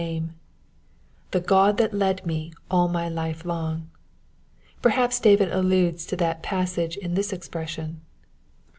name—" The God that led me all my life long ": perhaps David alludefl to that passage in this expression.